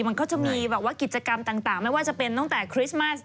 มันก็จะมีแบบว่ากิจกรรมต่างไม่ว่าจะเป็นตั้งแต่คริสต์มัส